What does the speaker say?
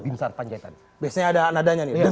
biasanya ada nadanya nih